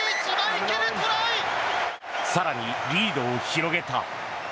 更にリードを広げた。